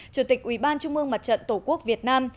chủ tịch ủy ban trung mương mặt trận tổ quốc việt nam